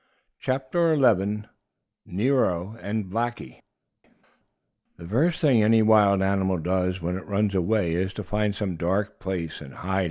CHAPTER XI NERO AND BLACKIE The first thing any wild animal does when it runs away is to find some dark place and hide.